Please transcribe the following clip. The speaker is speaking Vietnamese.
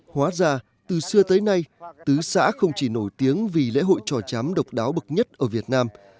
hóa ra từ xưa tới nay tứ xã không chỉ nổi tiếng vì lễ hội trò chám độc đáo bậc nhất ở việt nam